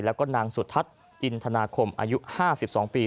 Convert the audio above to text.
แล้วก็นางสุทัศน์อินทนาคมอายุ๕๒ปี